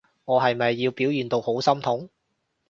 我係咪要表現到好心痛？